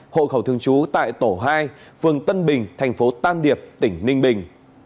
hộ khẩu thường chú tại tổ hai phường tân bình thành phố tan điệp tỉnh ninh bình